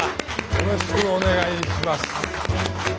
よろしくお願いします。